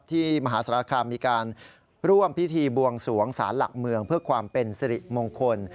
มหาสารคามมีการร่วมพิธีบวงสวงสารหลักเมืองเพื่อความเป็นสิริมงคล